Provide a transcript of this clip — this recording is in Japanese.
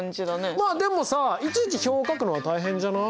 まあでもさいちいち表を書くのは大変じゃない？